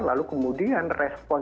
lalu kemudian respon